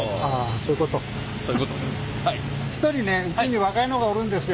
そういうことです。